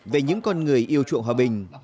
về những con người yêu chuộng hòa bình